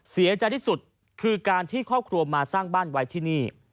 เสียใจที่สุดคือการที่ครอบครัวมาสร้างบ้านไว้ที่นี่